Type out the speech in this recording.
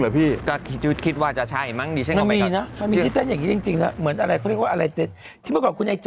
แบบว่าใช่มั้งดีเป็นที่เจ้าก็เช่นมาว่าอะไรที่ก่อนคุณไอ้